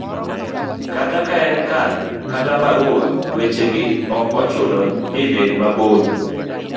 kata ka en e kad kata barua, weche gi ok ochuno ni bedo mabor